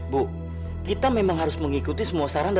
bu kita memang harus mengikuti semua saran dari pak pandu